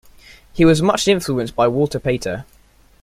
He was much influenced by Walter Pater.